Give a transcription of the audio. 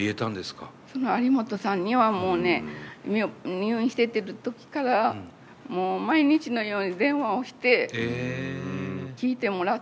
そのアリモトさんにはもうね入院してる時からもう毎日のように電話をして聞いてもらってるんですね。